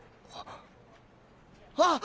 あっ！